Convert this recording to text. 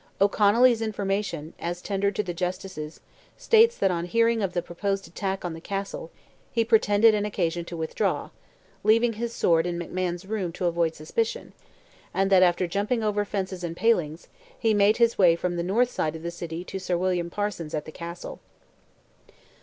O'Connolly's information, as tendered to the Justices, states that on hearing of the proposed attack on the Castle, he pretended an occasion to withdraw, leaving his sword in McMahon's room to avoid suspicion, and that after jumping over fences and palings, he made his way from the north side of the city to Sir William Parsons at the Castle.